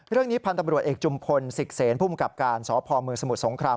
เรื่องนี้พันธุ์ตำรวจเอกจุมพลสิกเซนผู้มูลกับการสพมสมุทรสงคราม